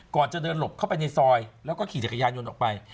ก่อนจะเดินหลบเข้าไปในซอยแล้วก็ขี่จักรยานยนต์ออกไป